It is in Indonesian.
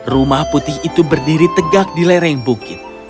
rumah putih itu berdiri tegak di lereng bukit